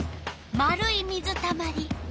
丸い水たまり。